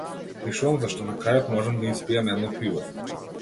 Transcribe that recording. Пишувам зашто на крајот можам да испијам едно пиво.